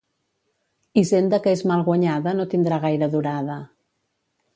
Hisenda que és mal guanyada no tindrà gaire durada.